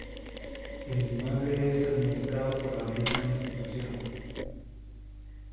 El inmueble es administrado por la misma institución.